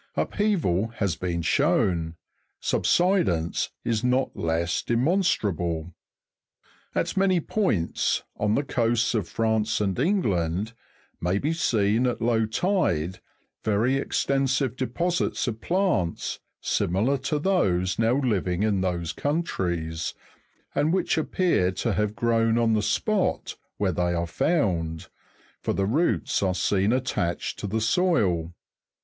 Upheaval has been shown ; subsidence is not less demonstrable. At many points, on the coasts of France and England, may be seen, at low tide, very extensive deposits of plants, similar to those now living in those countries, and which appear to have grown on the spot where they are found, for the roots are seen attached to the soil.